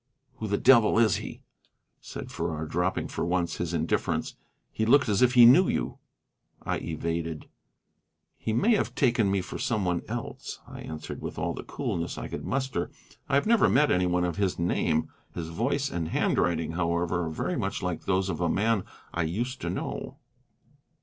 "Who the devil is he?" said Farrar, dropping for once his indifference; "he looked as if he knew you." I evaded. "He may have taken me for some one else," I answered with all the coolness I could muster. "I have never met any one of his name. His voice and handwriting, however, are very much like those of a man I used to know."